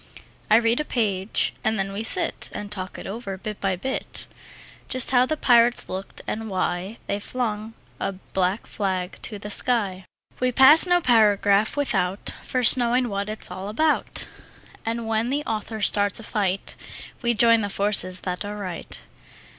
I read a page, and then we sit And talk it over, bit by bit; Just how the pirates looked, and why They flung a black flag to the sky. We pass no paragraph without First knowing what it's all about, And when the author starts a fight We join the forces that are right.